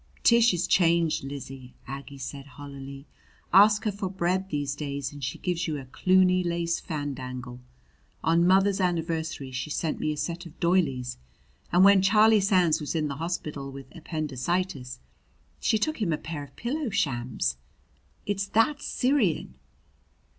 "Tish is changed, Lizzie," Aggie said hollowly. "Ask her for bread these days and she gives you a Cluny lace fandangle. On mother's anniversary she sent me a set of doilies; and when Charlie Sands was in the hospital with appendicitis she took him a pair of pillow shams. It's that Syrian!"